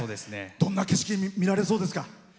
どんな景色見られそうですか？